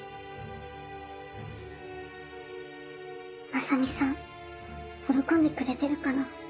正美さん喜んでくれてるかな？